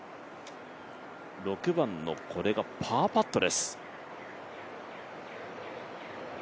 ６番のパーパットです。